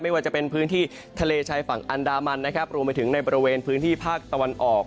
ว่าจะเป็นพื้นที่ทะเลชายฝั่งอันดามันนะครับรวมไปถึงในบริเวณพื้นที่ภาคตะวันออก